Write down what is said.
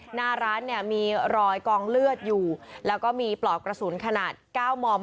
หน้าร้านเนี่ยมีรอยกองเลือดอยู่แล้วก็มีปลอกกระสุนขนาดเก้ามอม